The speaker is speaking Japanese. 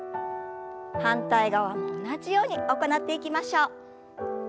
反対側も同じように行っていきましょう。